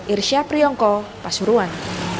irsyah priyongko pasuruan